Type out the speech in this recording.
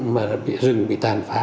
mà rừng bị tàn phá